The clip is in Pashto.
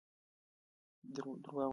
درواغ ویل ولې بد دي؟